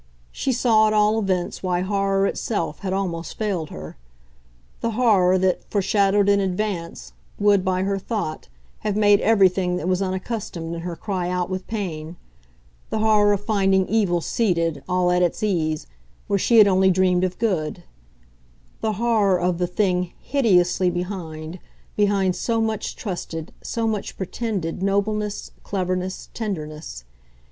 She saw at all events why horror itself had almost failed her; the horror that, foreshadowed in advance, would, by her thought, have made everything that was unaccustomed in her cry out with pain; the horror of finding evil seated, all at its ease, where she had only dreamed of good; the horror of the thing HIDEOUSLY behind, behind so much trusted, so much pretended, nobleness, cleverness, tenderness.